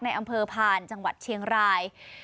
อำเภอพานจังหวัดเชียงราย